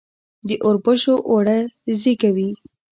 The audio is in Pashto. د اوربشو اوړه زیږه وي.